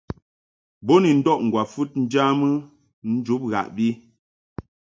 Bo ni ndɔʼ ŋgwafɨd njamɨ njub ghaʼbi.